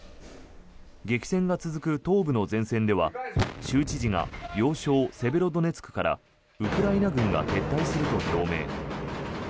激戦が続く東部の前線では州知事が要衝セベロドネツクからウクライナ軍が撤退すると表明。